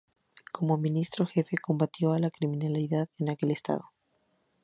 Como Ministro-Jefe, combatió a la criminalidad en aquel estado.